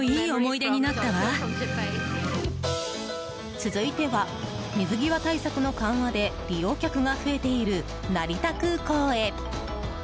続いては水際対策の緩和で利用客が増えている成田空港へ。